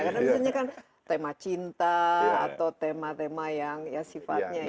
karena biasanya kan tema cinta atau tema tema yang ya sifatnya itu